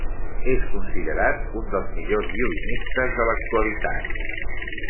És considerat un dels millors violinistes de l'actualitat.